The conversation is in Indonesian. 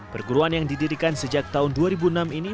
perguruan yang didirikan sejak tahun dua ribu enam ini